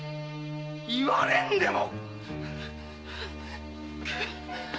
言われんでも！